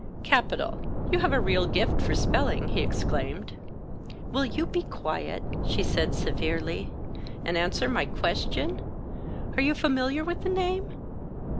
Capital. You have a real gift for spelling," he exclaimed. "Will you be quiet," she said, severely, "and answer my question? Are you familiar with the name?"